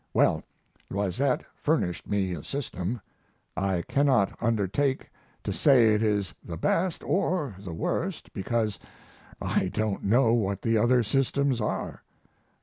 Well, Loisette furnished me a system. I cannot undertake to say it is the best, or the worst, because I don't know what the other systems are.